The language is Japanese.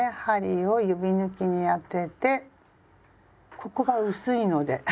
針を指ぬきに当ててここが薄いので。